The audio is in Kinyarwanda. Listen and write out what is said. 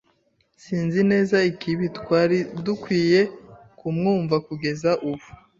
Sinzi neza ikibi. Twari dukwiye kumwumva kugeza ubu.